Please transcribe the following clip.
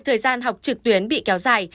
và thời gian học trực tuyến bị kéo dài